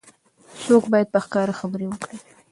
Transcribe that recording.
څوګ باید په ښکاره خبرې وکړي.